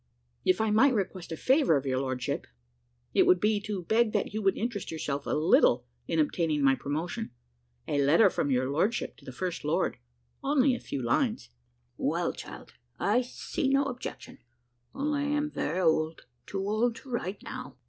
"If I might request a favour of your lordship, it would be to beg that you would interest yourself a little in obtaining my promotion. A letter from your lordship to the First Lord only a few lines " "Well, child, I see no objection only I am very old, too old to write now."